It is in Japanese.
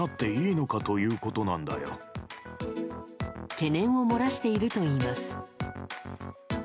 懸念を漏らしているといいます。